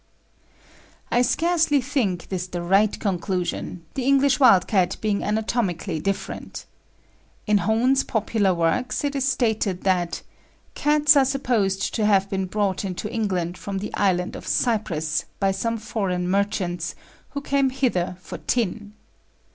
I scarcely think this the right conclusion, the English wild cat being anatomically different. In Hone's popular works it is stated that "Cats are supposed to have been brought into England from the island of Cyprus by some foreign merchants, who came hither for tin."